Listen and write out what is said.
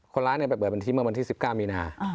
คนร้ายไปเปิดบัญชีเมื่อวันที่๑๙มีนา